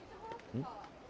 うん？